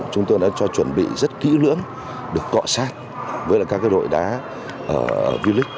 chúng tôi đã cho chuẩn bị rất kỹ lưỡng được cọ sát với các đội đá vlic